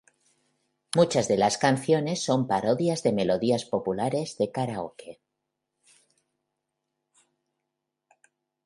Muchas de las canciones son parodias de melodías populares de karaoke.